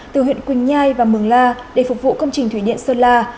từ huyện quỳnh nhai và mường la để phục vụ công trình thủy điện sơn la